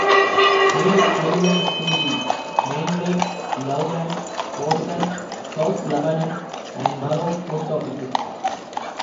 Mail is delivered through the Maineville, Loveland, Goshen, South Lebanon, and Morrow post offices.